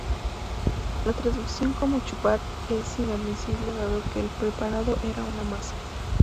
La traducción como "chupar" es inadmisible dado que el preparado era una masa.